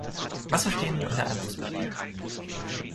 Was verstehen wir unter einem Prospekt?